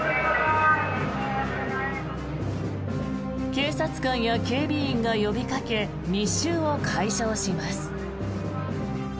警察官や警備員が呼びかけ密集を解消します。